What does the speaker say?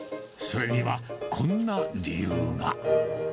それにはこんな理由が。